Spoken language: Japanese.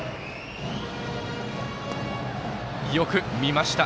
よく見ました。